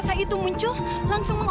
seperti ada gempa